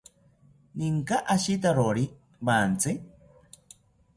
¿Ninka ashitawori wantsi?